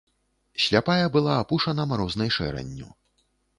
Сляпая была апушана марознай шэранню.